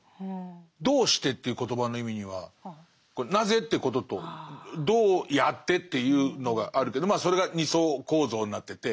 「どうして」という言葉の意味には「なぜ？」ってことと「どうやって？」っていうのがあるけどまあそれが２層構造になってて。